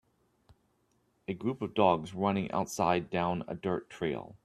a group of dogs running outside down a dirt trail.